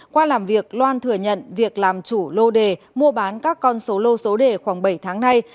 qua làm việc loan thừa nhận việc làm chủ lô đề mua bán các con số lô số đề khoảng bảy tháng nay